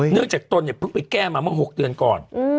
จากตนเนี่ยเพิ่งไปแก้มาเมื่อ๖เดือนก่อน